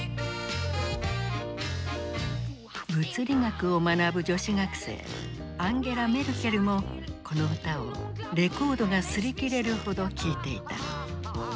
物理学を学ぶ女子学生アンゲラ・メルケルもこの歌をレコードが擦り切れるほど聴いていた。